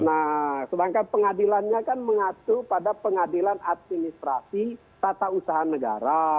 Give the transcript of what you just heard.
nah sedangkan pengadilannya kan mengacu pada pengadilan administrasi tata usaha negara